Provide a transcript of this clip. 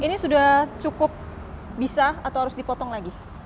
ini sudah cukup bisa atau harus dipotong lagi